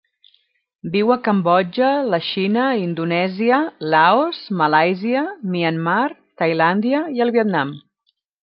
Viu a Cambodja, la Xina, Indonèsia, Laos, Malàisia, Myanmar, Tailàndia i el Vietnam.